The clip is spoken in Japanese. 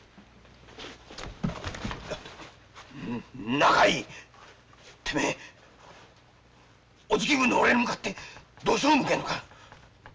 中井てめえおじき分の俺に向かってドスを向けるのか。